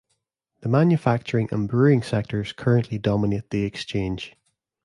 The manufacturing and brewing sectors currently dominate the exchange.